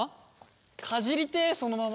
かじりてえそのまま。